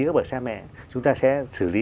các bậc cha mẹ chúng ta sẽ xử lý